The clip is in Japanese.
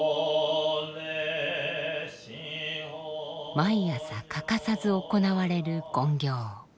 毎朝欠かさず行われる勤行。